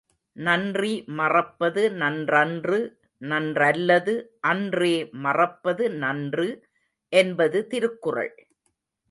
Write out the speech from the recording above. நன்றி மறப்பது நன்றன்று நன்றல்லது அன்றே மறப்பது நன்று என்பது திருக்குறள்.